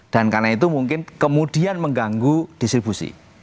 dan karena itu mungkin kemudian mengganggu distribusi